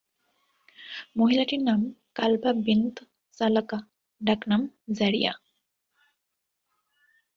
মহিলাটির নাম Kalba bint Salaqa, ডাকনাম যারীআ।